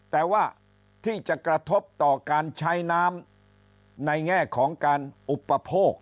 แต่ว่าที่จะกระทบต่อการใช้น้ำในแง่ของการอุปโภค